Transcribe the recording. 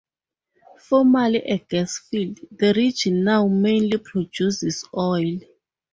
Formerly a gas field, the region now mainly produces oil.